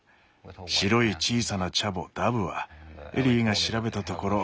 白い小さなチャボダブはエリーが調べたところ